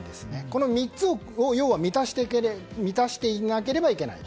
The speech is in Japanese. この３つを要は満たしていなければいけない。